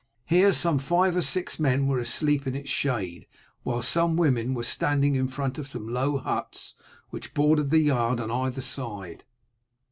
Here some five or six men were asleep in its shade, while some women were standing in front of some low huts which bordered the yard on either side.